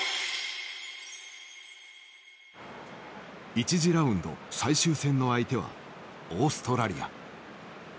１次ラウンド最終戦の相手はオーストラリア。